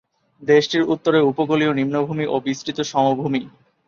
দেশটির উত্তরে উপকূলীয় নিম্নভূমি ও বিস্তৃত সমভূমি।